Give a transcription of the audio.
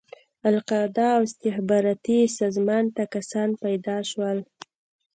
القاعده او استخباراتي سازمان ته کسان پيدا شول.